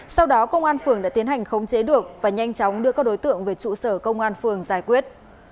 sau đó công an phường đã tiến hành khống chế được và nhanh chóng đưa các đối tượng về trụ sở công an phường giải quyết